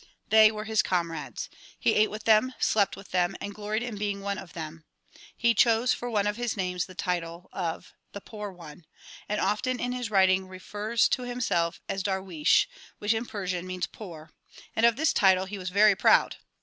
They were his comrades. He ate with them, slept with them and gloried in being one of them. He chose for one of his names the title of "The Poor One," and often in his writings refers to himself as "Darweesh" which in Persian means "poor"; and of this title he was very proud.